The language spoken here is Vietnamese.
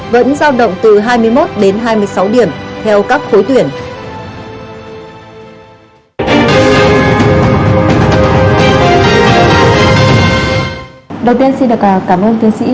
vẫn giao động từ hai mươi một đến hai mươi sáu điểm